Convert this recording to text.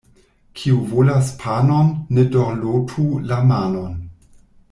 Kiu volas panon, ne dorlotu la manon.